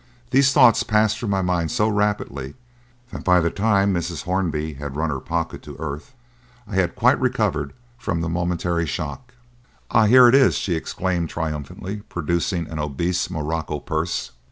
These thoughts passed through my mind so rapidly that by the time Mrs. Hornby had run her pocket to earth I had quite recovered from the momentary shock. "Ah! here it is," she exclaimed triumphantly, producing an obese Morocco purse.